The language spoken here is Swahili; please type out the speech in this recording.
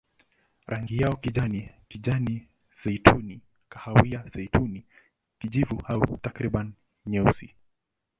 Rangi yao kijani, kijani-zeituni, kahawia-zeituni, kijivu au takriban nyeusi.